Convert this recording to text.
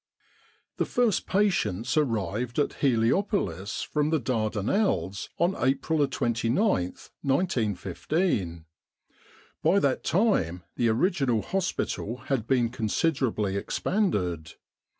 The first patients arrived at Heliopolis from the Dardanelles on April 29, 1915. By that time the original hospital had been considerably expanded.